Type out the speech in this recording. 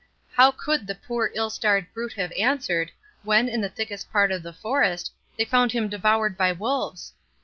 How could the poor ill starred brute have answered, when, in the thickest part of the forest, they found him devoured by wolves?